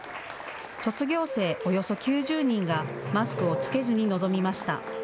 卒業生およそ９０人がマスクを着けずに臨みました。